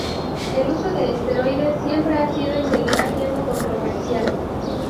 El uso de esteroides siempre ha sido y seguirá siendo controversial.